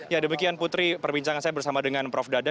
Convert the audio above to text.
ya demikian putri perbincangan saya bersama dengan prof dadan